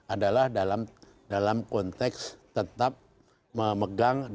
adalah dalam konteks tetap memegang